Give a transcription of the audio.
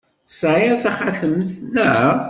Tesɛiḍ taxatemt, naɣ?